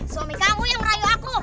suami kamu yang meraih aku